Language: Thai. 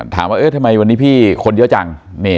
ถามว่าเอ๊ะทำไมวันนี้พี่คนเยอะจัง